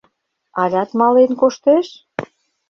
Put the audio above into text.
Алят мален коштеш?